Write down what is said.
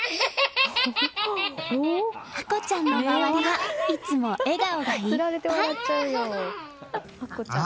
愛心ちゃんの周りはいつも笑顔がいっぱい。